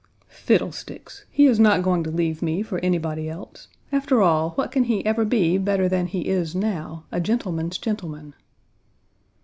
"Fiddlesticks! He is not going to leave me for anybody else. After all, what can he ever be, better than he is now a gentleman's gentleman?"